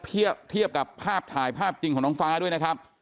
เทียบกับภาพถ่ายภาพจริงของน้องฟ้าด้วยนะครับ